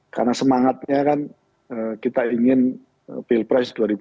karena semangatnya kan kita harus mencari alternatif alternatif